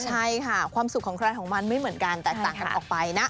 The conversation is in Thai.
ใช่ค่ะความสุขของใครของมันไม่เหมือนกันแตกต่างกันออกไปนะ